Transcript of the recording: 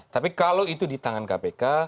tapi kalau itu di tangan kpk